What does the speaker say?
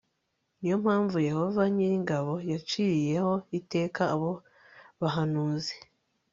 ni yo mpamvu yehova nyir ingabo yaciriyeho iteka abo bahanuzi